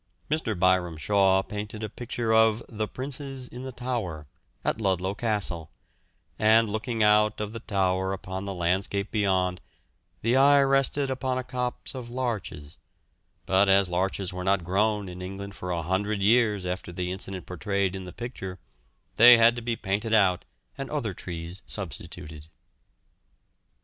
Mr. Byam Shaw painted a picture of "the Princes in the Tower" at Ludlow Castle, and looking out of the tower upon the landscape beyond, the eye rested upon a copse of larches, but as larches were not grown in England for a hundred years after the incident portrayed in the picture, they had to be painted out and other trees substituted.